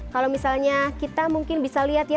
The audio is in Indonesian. kalau misalnya kita mungkin bisa lihat ya